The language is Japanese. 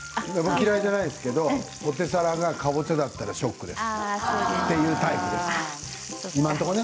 嫌いじゃないですけれどもポテサラがかぼちゃだったらショックです。